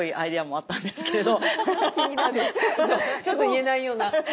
ちょっと言えないような？